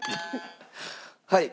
はい。